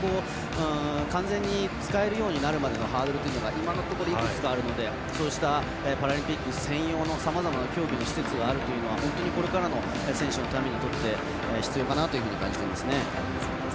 完全に使えるようになるまでのハードルが、今のところいくつかあるのでそうしたパラリンピック専用のさまざまな競技の施設があるというのは本当にこれからの選手のために必要だなと感じていますね。